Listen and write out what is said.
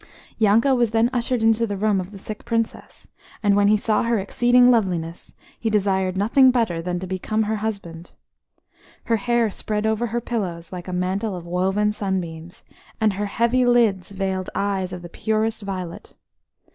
Yanko was then ushered into the room of the sick Princess, and when he saw her exceeding loveliness, he desired nothing better than to become her husband. Her hair spread over her pillows like a mantle of woven sunbeams, and her heavy lids veiled eyes of the purest violet.